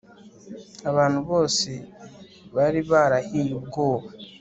Abantu bose bari barahiye ubwoba